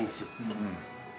うん。